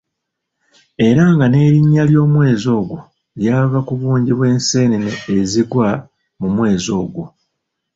Era nga n'erinnya ly'omwezi ogwo lyava ku bungi bw'enseenene ezigwa mu mwezi ogwo.